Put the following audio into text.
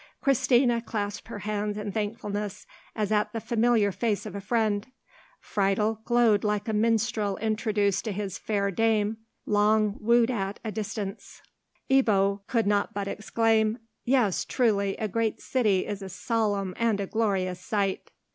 Christina clasped her hands in thankfulness, as at the familiar face of a friend; Friedel glowed like a minstrel introduced to his fair dame, long wooed at a distance; Ebbo could not but exclaim, "Yea, truly, a great city is a solemn and a glorious sight!"